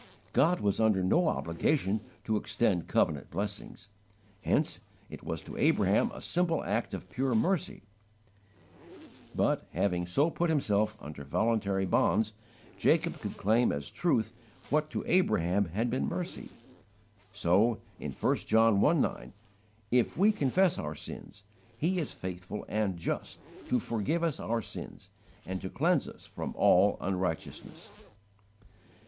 God was under no obligation to extend covenant blessings; hence it was to Abraham a simple act of pure mercy; but, having so put Himself under voluntary bonds, Jacob could claim as truth what to Abraham had been mercy. So in 1 John i. 9: "If we confess our sins He is faithful and just to forgive us our sins, And to cleanse us from all unrighteousness."